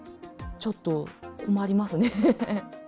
ちょっと困りますね。